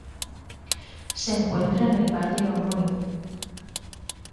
Se encuentra en el valle homónimo.